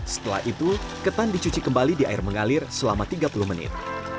setelah itu ketan dicuci kembali di air mengalir selama tiga puluh menit